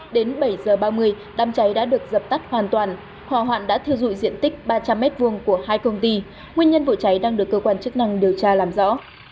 đến bảy h ba mươi đám cháy đã được dập tắt hoàn toàn hỏa hoạn đã thiêu dụi diện tích ba trăm linh m hai của hai công ty nguyên nhân vụ cháy đang được cơ quan chức năng điều tra làm rõ